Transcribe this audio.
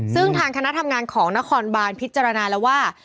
ซึ่งทางคณะทำงานของนครบานพิจารณาแล้วว่า